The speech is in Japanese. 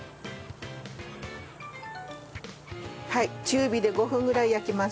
中火で５分ぐらい焼きます。